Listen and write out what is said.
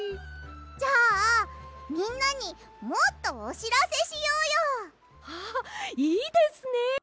じゃあみんなにもっとおしらせしようよ！ああいいですね！